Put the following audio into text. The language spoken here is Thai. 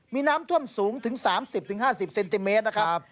มีน้ำท่วมสูงถึง๓๐๕๐เซนติเมตรนะครับ